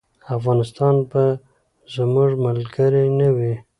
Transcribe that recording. افغانستان به زموږ ملګری نه وي.